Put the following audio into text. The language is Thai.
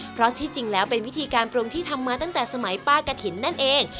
เพราะที่จริงแล้วเป็นวิธีการปรุงที่ทำมาตั้งแต่สมัยป้ากะถิ่นนั่นเอง